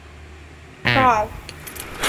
Prov.